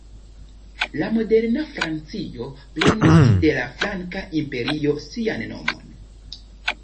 La moderna Francio prenis de la Franka Imperio sian nomon.